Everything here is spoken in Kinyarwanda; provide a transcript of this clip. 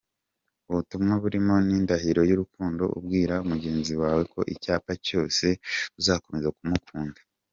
Ubutumwa burimo ni indahiro y’urukundo ubwira mugenzi wawe ko icyaba cyose uzakomeza kumukunda.